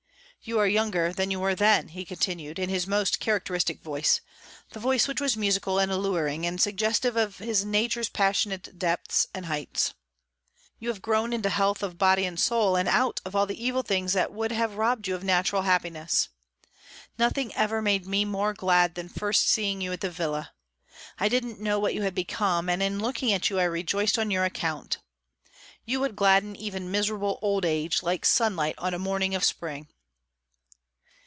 "You are younger than you were then," he continued, in his most characteristic voice, the voice which was musical and alluring, and suggestive of his nature's passionate depths and heights. "You have grown into health of body and soul, and out of all the evil things that would have robbed you of natural happiness. Nothing ever made me more glad than first seeing you at the villa. I didn't know what you had become, and in looking at you I rejoiced on your account. You would gladden even miserable old age, like sunlight on a morning of spring."